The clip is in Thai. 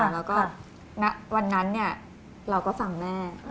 แล้วก็ณวันนั้นเราก็ฟังแม่